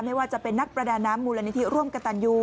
ไม่ว่าจะเป็นนักประแดนงามบอนมูลตรรีร่วมกระตาลยู